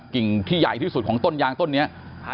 กิ่งที่ใหญ่ที่สุดของต้นยางต้นนี้